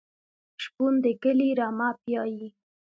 شپون د کلي رمه پیایي.